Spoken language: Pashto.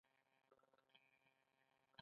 تواب په شونډو کې وويل: